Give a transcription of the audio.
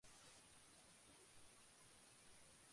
সে একটা সাইকোপ্যাথ যে আমাদের বাড়িতে থাকছে।